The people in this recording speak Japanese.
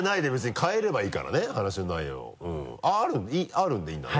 あるでいいんだね？